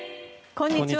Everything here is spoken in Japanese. こんにちは。